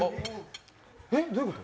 え、どういうこと？